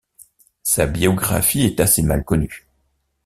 Sa biographie est assez mal connue.